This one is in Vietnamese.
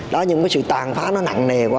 đó những cái sự tàn phá nó nặng nề quá